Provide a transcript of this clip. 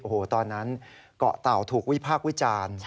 โอ้โหตอนนั้นเกาะเต่าถูกวิพากษ์วิจารณ์